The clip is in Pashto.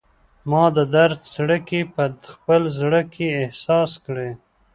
ما د درد څړیکې په خپل زړه کې احساس کړي